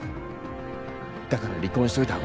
だから離婚しといたほうが。